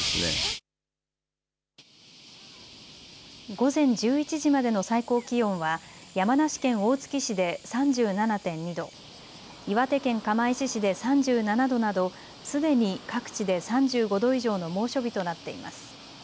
午前１１時までの最高気温は山梨県大月市で３７．２度、岩手県釜石市で３７度などすでに各地で３５度以上の猛暑日となっています。